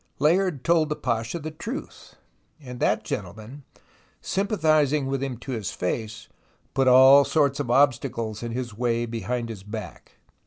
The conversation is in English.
Layard told the Pasha the truth, and that gentle man, sympathizing with him to his face, put all sorts of obstacles in his way behind his back.